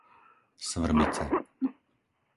Svrbice